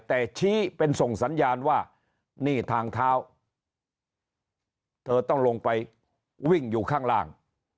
แต่ชี้เป็นส่งสัญญาณว่านี่ทางเท้าเธอต้องลงไปวิ่งอยู่ข้างล่าง